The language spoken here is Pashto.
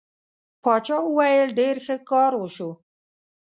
باچا وویل ډېر ښه کار وشو.